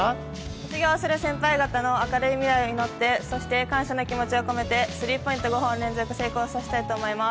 卒業する先輩方の明るい未来を祈ってそして感謝の気持ちを込めてスリーポイント５本を連続成功させたいと思います。